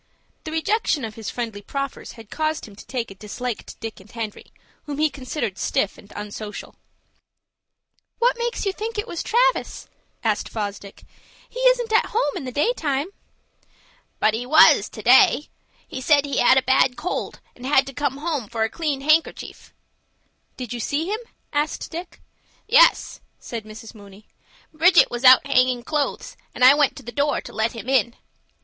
The rejection of his friendly proffers had caused him to take a dislike to Dick and Henry, whom he considered stiff and unsocial. "What makes you think it was Travis?" asked Fosdick. "He isn't at home in the daytime." "But he was to day. He said he had got a bad cold, and had to come home for a clean handkerchief." "Did you see him?" asked Dick. "Yes," said Mrs. Mooney. "Bridget was hanging out clothes, and I went to the door to let him in."